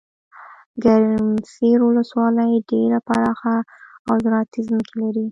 ګرمسیرولسوالۍ ډیره پراخه اوزراعتي ځمکي لري.